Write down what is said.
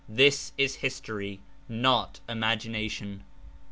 This Is history, not Imagination.